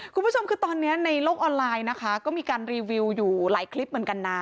คุณผู้ชมคือตอนนี้ในโลกออนไลน์นะคะก็มีการรีวิวอยู่หลายคลิปเหมือนกันนะ